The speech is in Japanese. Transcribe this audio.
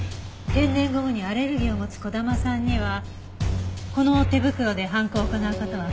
天然ゴムにアレルギーを持つ児玉さんにはこの手袋で犯行を行う事は不可能です。